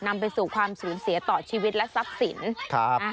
นำไปสู่ความสูญเสียต่อชีวิตและทรัพย์สิน